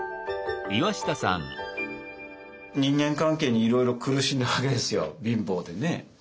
人間関係にいろいろ苦しんだわけですよ貧乏でね。